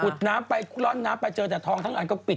น้ำไปร่อนน้ำไปเจอแต่ทองทั้งอันก็ปิด